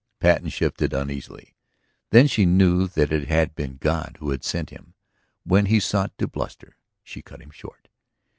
Patten shifted uneasily. Then she knew that it had been God who had sent him. When he sought to bluster, she cut him short.